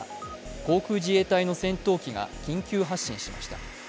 航空自衛隊の戦闘機が緊急発進しました。